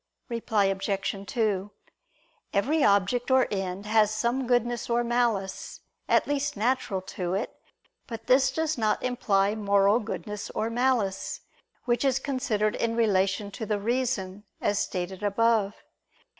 Reply Obj. 2: Every object or end has some goodness or malice, at least natural to it: but this does not imply moral goodness or malice, which is considered in relation to the reason, as stated above.